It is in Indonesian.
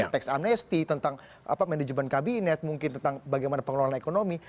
teks amnesti tentang manajemen kabinet mungkin tentang bagaimana pengelolaan ekonomi